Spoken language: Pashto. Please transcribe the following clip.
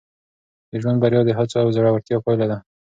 د ژوند بریا د هڅو او زړورتیا پایله ده.